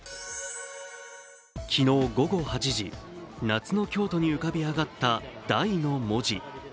昨日午後８時、夏の京都に浮かび上がった「大」の文字。